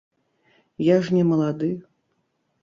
Я ж не малады!